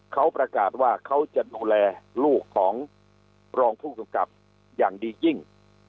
เขาประกาศว่าเขาจะดูแลลูกของรองผู้กำกับอย่างดียิ่ง